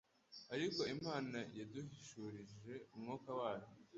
Ariko Imana yabiduhishurishije Umwuka wayo